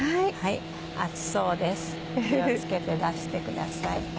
熱そうです気を付けて出してください。